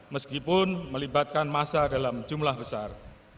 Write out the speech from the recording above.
meskipun melibatkan massa dalam jumlah besar